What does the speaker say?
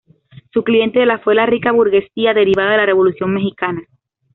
Su clientela fue la rica burguesía derivada de la Revolución mexicana.